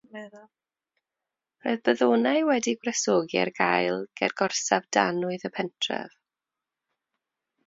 Roedd baddonau wedi'u gwresogi ar gael ger gorsaf danwydd y pentref.